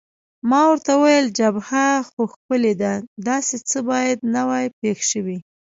ما ورته وویل: جبهه خو ښکلې ده، داسې څه باید نه وای پېښ شوي.